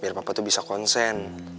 biar bapak tuh bisa konsen